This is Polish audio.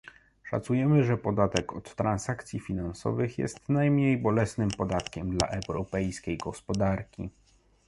Szacujemy, że podatek od transakcji finansowych jest najmniej bolesnym podatkiem dla europejskiej gospodarki